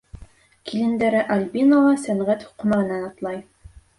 Килендәре Альбина ла сәнғәт һуҡмағынан атлай.